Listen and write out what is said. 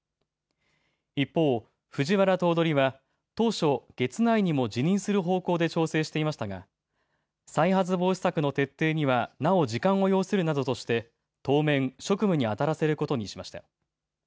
一方、藤原頭取は当初、月内にも辞任する方向で調整していましたが再発防止策の徹底にはなお時間を要するなどとして当面職務にあたらせることにしました。